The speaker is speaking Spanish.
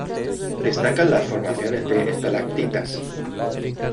Destacan las formaciones de estalactitas.